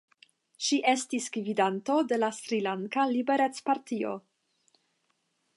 Ŝi estis gvidanto de la Srilanka Liberecpartio.